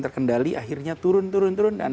terkendali akhirnya turun turun turun dan